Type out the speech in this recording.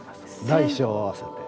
大小合わせて。